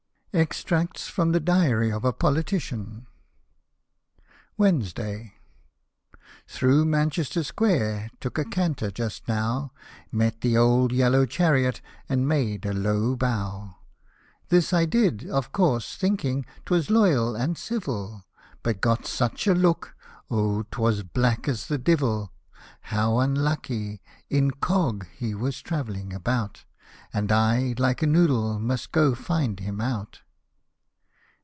EXTRACTS FROM THE DIARY OF A POLITICIAN Wednesday. Through Manchester Square took a canter just now — Met the old yellow chariot.^ and made a low bow. This I did, of course, thinking 'twas loyal and civil, But got such a look — oh 'twas black as the devil ! How unlucky !— incog, he was travelling about, And I like a noodle, must go find him out.